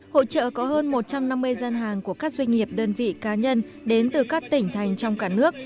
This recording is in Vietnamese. hội trợ có hơn một trăm năm mươi gian hàng của các doanh nghiệp đơn vị cá nhân đến từ các tỉnh thành trong cả nước